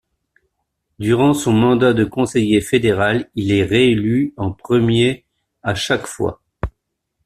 Durant son mandat de Conseiller fédéral, il est réélu en premier à chaque fois.